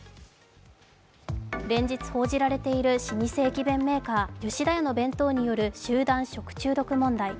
連日報じられている、老舗駅弁メーカー、吉田屋の弁当による集団食中毒問題。